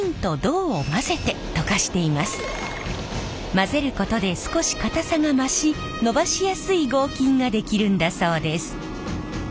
混ぜることで少し硬さが増しのばしやすい合金が出来るんだそうです。